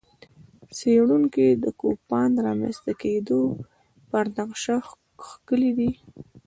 څېړونکو د کوپان رامنځته کېدا پر نقشه کښلي دي.